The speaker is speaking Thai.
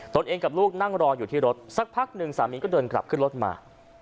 ตัวเองกับลูกนั่งรออยู่ที่รถสักพักหนึ่งสามีก็เดินกลับขึ้นรถมา